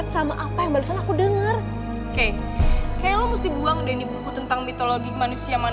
sampai jumpa di video selanjutnya